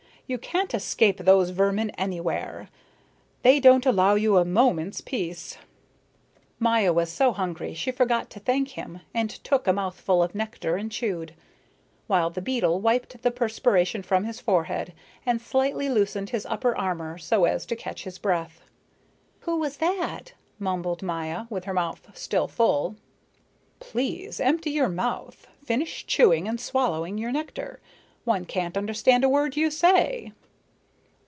"You can't escape those vermin anywhere. They don't allow you a moment's peace." Maya was so hungry she forgot to thank him and took a mouthful of nectar and chewed, while the beetle wiped the perspiration from his forehead and slightly loosened his upper armor so as to catch his breath. "Who was that?" mumbled Maya, with her mouth still full. "Please empty your mouth finish chewing and swallowing your nectar. One can't understand a word you say."